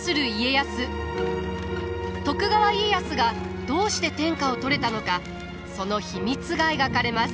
徳川家康がどうして天下を取れたのかその秘密が描かれます。